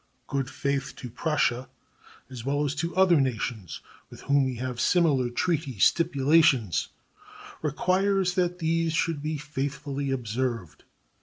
Good faith to Prussia, as well as to other nations with whom we have similar treaty stipulations, requires that these should be faithfully observed.